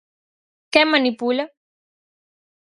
¿Quen manipula?